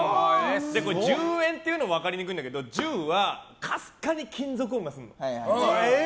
１０円も分かりにくいんだけど１０は、かすかに金属音がするの。